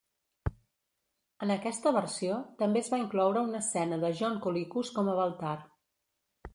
En aquesta versió, també es va incloure una escena de John Colicos com a Baltar.